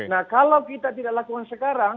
nah kalau kita tidak lakukan sekarang